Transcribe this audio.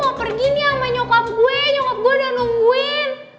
gue mau pergi nih sama nyokap gue nyokap gue udah nungguin